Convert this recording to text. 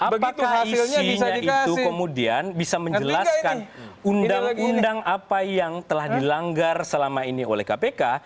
apakah isinya itu kemudian bisa menjelaskan undang undang apa yang telah dilanggar selama ini oleh kpk